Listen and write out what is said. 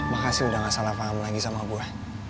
makasih udah gak salah paham lagi sama gue